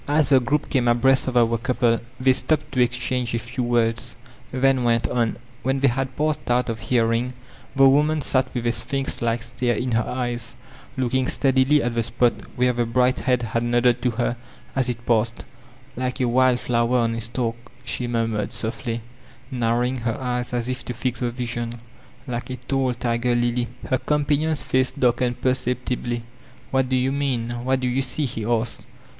As the group came abreast of our couple they stopped to exchange a few words, then went on« When they had passed out of hearing the woman sat with a splunx like stare in her eyes, looking steadily at the spot where the bright head had nodded to her as it pasitfd *TJkt a wildflower on a stalk/' she murmured softly, narrowing her eyes as if to fix the vision, '*like a tall tiger lily. Her companion's face darkened perceptibly. ''What do you mean? What do you see?" he adced.